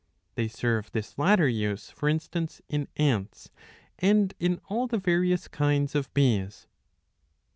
They serve this latter use for instance in ants and in all the various kinds of bees.